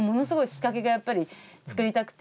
仕掛けがやっぱり作りたくて。